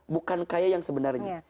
bukan kaya yang sebenarnya